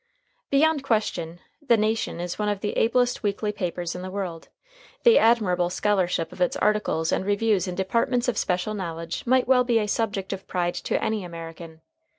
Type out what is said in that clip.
Beyond question, The Nation is one of the ablest weekly papers in the world; the admirable scholarship of its articles and reviews in departments of special knowledge might well be a subject of pride to any American.